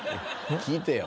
聞いてよ